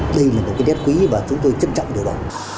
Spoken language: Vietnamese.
đây là một cái nét quý và chúng tôi trân trọng điều đó